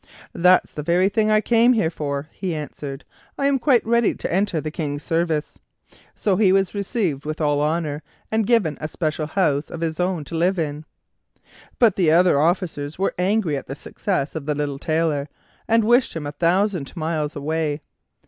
"That's the very thing I came here for," he answered; "I am quite ready to enter the King's service." So he was received with all honor, and given a special house of his own to live in. But the other officers were angry at the success of the little Tailor, and wished him a thousand miles away.